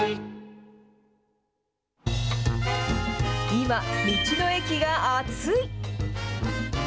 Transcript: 今、道の駅が熱い。